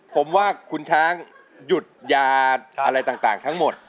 ผมว่าคุณช้างหยุดยาอะไรต่างทั้งหมด